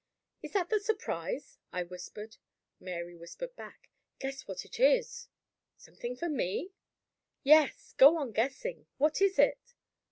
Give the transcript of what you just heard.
"Is that the surprise?" I whispered. Mary whispered back: "Guess what it is?" "Something for me?" "Yes. Go on guessing. What is it?"